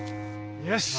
よし。